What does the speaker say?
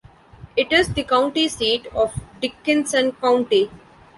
It is the county seat of Dickinson County.